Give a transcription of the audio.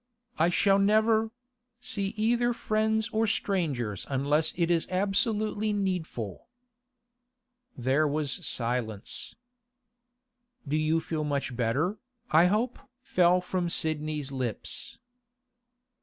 I shall never—see either friends or strangers unless it is absolutely needful.' There was silence. 'You do feel much better, I hope?' fell from Sidney's lips.